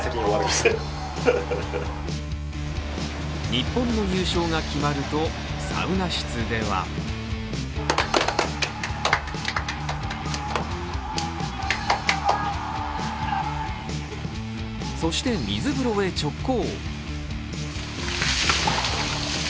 日本の優勝が決まると、サウナ室ではそして、水風呂へ直行！